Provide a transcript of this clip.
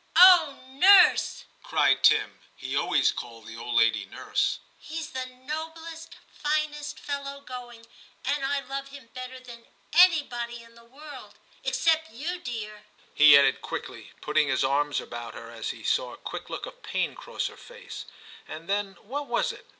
Oh, nurse,' cried Tim (he always called the old lady * nurse '),' he's the noblest, finest fellow going, and I love him better than anybody in the world — except you, dear,' he added quickly, putting his arms about her as he saw a quick look of pain cross her face; and then, what was it?